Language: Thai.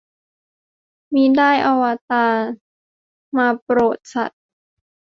มิได้ อวตาร มาโปรดสัตว์